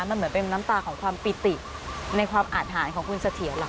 มันเหมือนเป็นน้ำตาของความปิติในความอาทหารของคุณเสถียรเหรอ